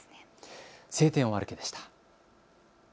青天を歩け！でした。